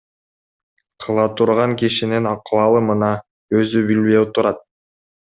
Кыла турган кишинин акыбалы мына, өзү билбей отурат.